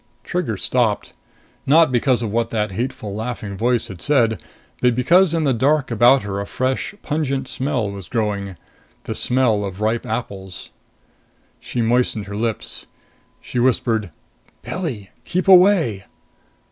Trigger stopped. Not because of what that hateful, laughing voice had said. But because in the dark about her a fresh, pungent smell was growing. The smell of ripe apples. She moistened her lips. She whispered, "Pilli keep away!"